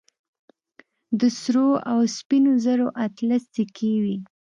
د سرو او سپينو زرو اتلس سيکې وې.